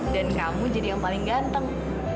dan kamu jadi yang paling ganteng